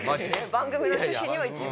番組の趣旨には一番。